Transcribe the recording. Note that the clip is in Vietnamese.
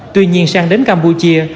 tuy nhiên sang đến campuchia